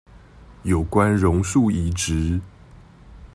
有關榕樹移植